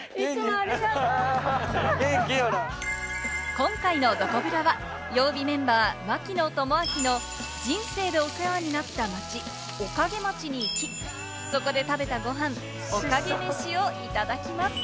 今回のどこブラは曜日メンバー・槙野智章の人生でお世話になった街、おかげ街に行きそこで食べたごはん、おかげ飯をいただきます。